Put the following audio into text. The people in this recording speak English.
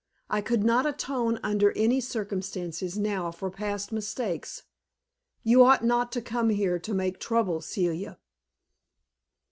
I could not atone under any circumstances now for past mistakes. You ought not to come here to make trouble, Celia."